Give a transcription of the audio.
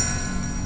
aku mau lihat